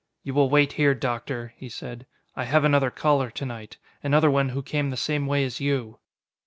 "You will wait here, Doctor," he said. "I have another caller to night. Another one who came the same way as you!"